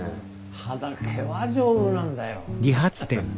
歯だけは丈夫なんだよ。